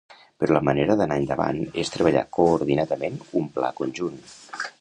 Però la manera d’anar endavant és treballar coordinadament un pla conjunt.